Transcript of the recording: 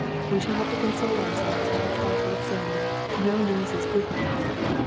We shall have to console ourselves with the trite old saying: 'No news is good news.'